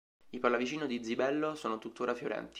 I Pallavicino di Zibello sono tuttora fiorenti.